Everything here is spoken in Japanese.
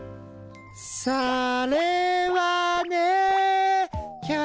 それはね。